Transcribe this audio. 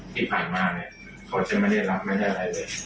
ที่ผ่านมาเนี่ยเขาจะไม่ได้รับไม่ได้อะไรเลย